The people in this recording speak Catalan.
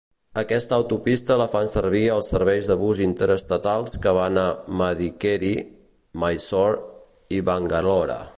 Aquesta autopista la fan servir els serveis de bus interestatals que van a Madikeri, Mysore i Bangalore.